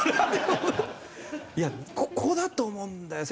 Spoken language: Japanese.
いやここだと思うんだよ。